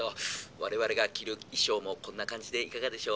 我々が着る衣装もこんな感じでいかがでしょう？